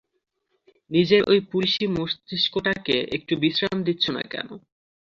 নিজের ওই পুলিশি মস্তিষ্কটাকে একটু বিশ্রাম দিচ্ছ না কেন?